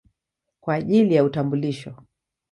kwa ajili ya utambulisho.